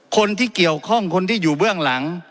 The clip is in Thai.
คนที่เกี่ยวข้องคนที่อยู่เบื้องหลัง